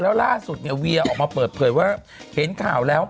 แล้วล่าสุดเนี่ยเวียออกมาเปิดเผยว่าเห็นข่าวแล้ว